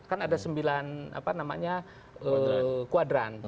kan ada sembilan kuadran